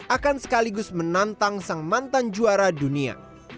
akan sekaligus menantang sang mantan juara dunia